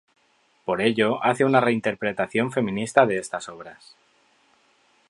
Por ello, hace una reinterpretación feminista de estas obras.